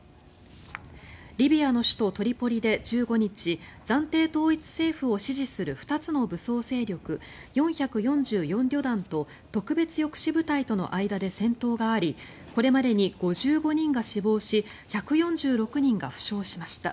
リビアの首都トリポリで１５日暫定統一政府を支持する２つの武装勢力４４４旅団と特別抑止部隊との間で戦闘がありこれまでに５５人が死亡し１４６人が負傷しました。